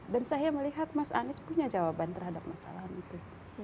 dan saya melihat mas anies punya jawaban terhadap masalah itu